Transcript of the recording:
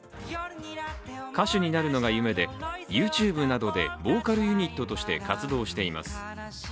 歌手になるのが夢でＹｏｕＴｕｂｅなどでボーカルユニットとして活動しています。